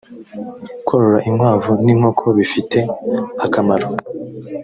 korora inkwavu n inkoko bifite akamaro